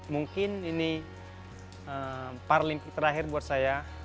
mungkin ini parlimpik terakhir buat saya